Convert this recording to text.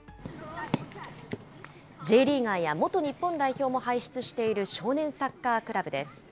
Ｊリーガーや元日本代表も輩出している少年サッカークラブです。